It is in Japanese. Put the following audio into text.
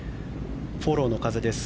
フォローの風です。